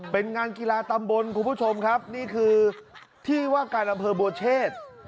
เป็นงานกีฬาตำบลคุณผู้ชมครับนี่คือที่ว่าการอำเภอบัวเชษ